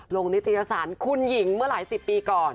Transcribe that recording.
นิตยสารคุณหญิงเมื่อหลายสิบปีก่อน